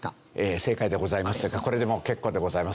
正解でございます。というかこれでもう結構でございます。